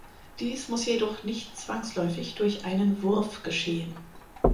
Dies muss jedoch nicht zwangsläufig durch einen Wurf geschehen.